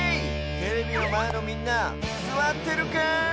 テレビのまえのみんなすわってるかい？